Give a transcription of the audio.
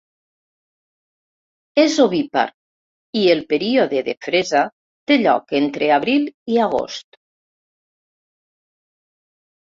És ovípar i el període de fresa té lloc entre abril i agost.